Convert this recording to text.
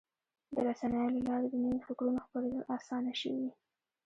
د رسنیو له لارې د نوي فکرونو خپرېدل اسانه شوي.